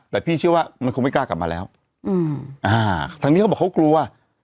แต่พี่เชื่อว่ามันคงไม่กล้ากลับมาแล้วทางนี้เขาบอกเขากลัว